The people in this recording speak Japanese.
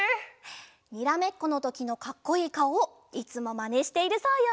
にらめっこのときのかっこいいかおいつもまねしているそうよ。